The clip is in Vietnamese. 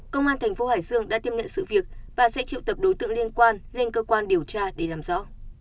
công an thành phố hải dương đã tiêm nhận sự việc và sẽ triệu tập đối tượng liên quan lên cơ quan điều tra để làm rõ